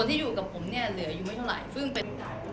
คนที่อยู่กับผมเนี่ยเหลืออยู่ไม่เท่าไหร่